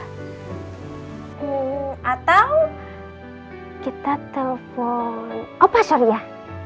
atau kita telepon opa surya